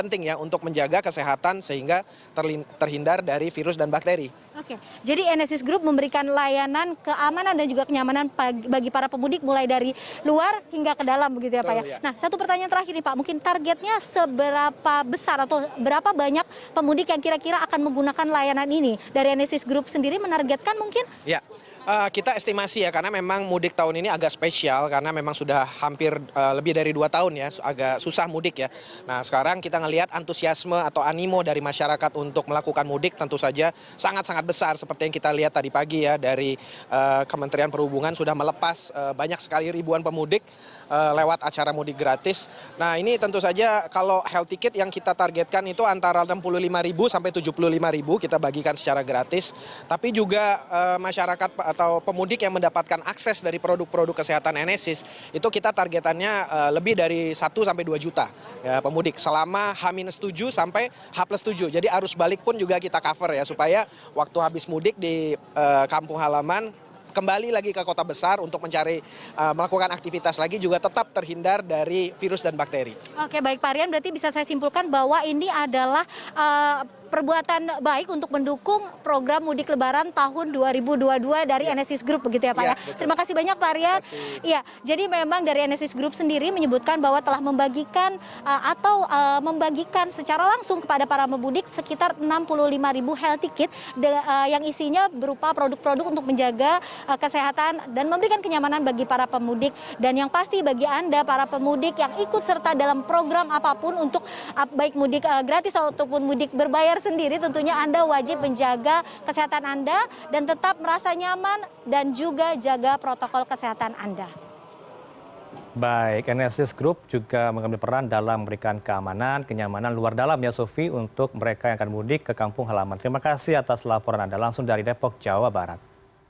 terima kasih atas laporan anda langsung dari depok jawa barat